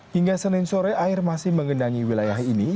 hingga senin sore air masih mengendangi wilayah ini